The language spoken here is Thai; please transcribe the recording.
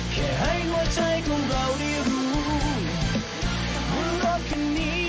พี่ปู